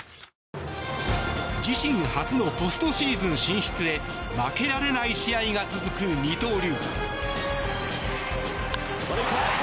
自身初のポストシーズン進出へ負けられない試合が続く二刀流。